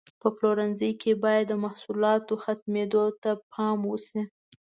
په پلورنځي کې باید د محصولاتو ختمېدو ته پام وشي.